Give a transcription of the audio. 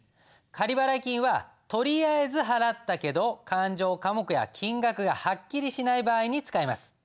仮払金はとりあえず払ったけど勘定科目や金額がはっきりしない場合に使います。